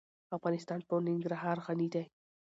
افغانستان په ننګرهار غني دی.